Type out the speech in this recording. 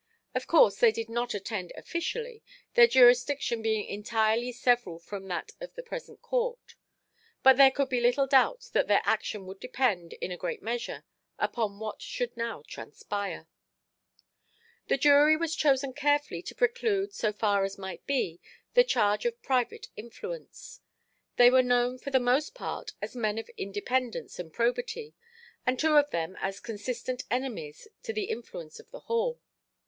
Of course they did not attend officially, their jurisdiction being entirely several from that of the present court. But there could be little doubt that their action would depend, in a great measure, upon what should now transpire. The jury was chosen carefully to preclude, so far as might be, the charge of private influence. They were known, for the most part, as men of independence and probity, and two of them as consistent enemies to the influence of the Hall.